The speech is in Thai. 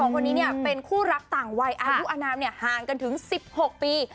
คนนี้เป็นคู่รักต่างวัยอายุอนามห่างกันถึง๑๖ปี